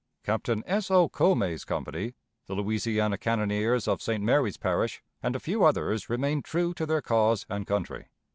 Captain S. O. Comay's company, the Louisiana Cannoneers of St. Mary's Parish, and a few others remained true to their cause and country.